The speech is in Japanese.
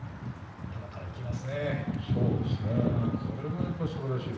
頭からいきました。